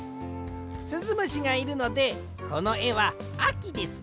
すずむしがいるのでこのえはあきです！